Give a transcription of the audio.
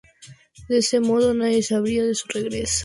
De ese modo, nadie sabría de su regreso.